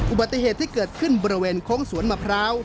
อุบัติเหตุที่เกิดขึ้นบริเวณโค้งสวนมะพร้าว